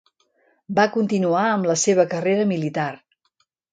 Va continuar amb la seva carrera militar.